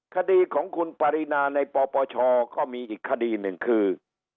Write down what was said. คดีของคุณปรินาในปปชก็มีอีกคดีหนึ่งคือ